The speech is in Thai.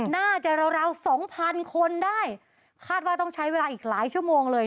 น่าจะราวราวสองพันคนได้คาดว่าต้องใช้เวลาอีกหลายชั่วโมงเลย